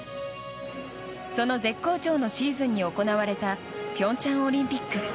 その絶好調のシーズンに行われた平昌オリンピック。